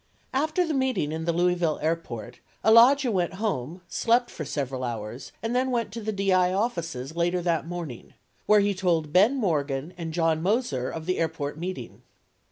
After the meeting in the Louisville Airport, Alagia went home, slept for several hours and then went to the DI offices later that morning, where he told Ben Morgan and John Moser of the airport meeting.